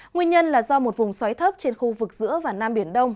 nguyên nhân là do một vùng xoáy thấp trên khu vực giữa và nam biển đông